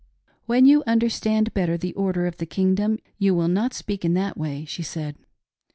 " When you understand better the order of the kingdom, you will not speak in that way," she said.